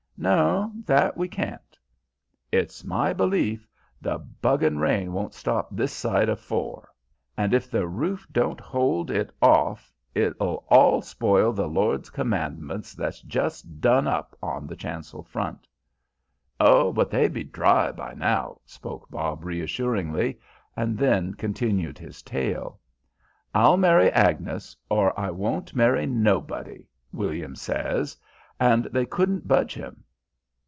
"No, that we can't." "It's my belief the 'bugging rain won't stop this side of four." "And if the roof don't hold it off it 'ull spoil the Lord's Commandments that's just done up on the chancel front." "Oh, they be dry by now," spoke Bob reassuringly and then continued his tale. "'I'll marry Agnes or I won't marry nobody' William says and they couldn't budge him.